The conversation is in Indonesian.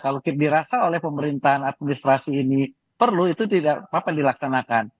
kalau dirasa oleh pemerintahan administrasi ini perlu itu tidak apa apa dilaksanakan